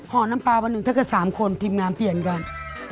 ห่างน้ำปาวันนึงถ้าเกิด๓คนทีมงานเปลี่ยนกัน